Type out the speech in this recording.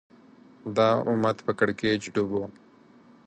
دا امت په کړکېچ ډوب و